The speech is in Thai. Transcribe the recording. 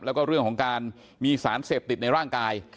แล้วก็เรื่องของการมีสารเสพติดในร่างกาย